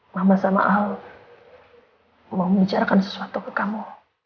mama sama ahok mau membicarakan sesuatu ke kamu